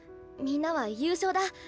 みんなは「優勝だ」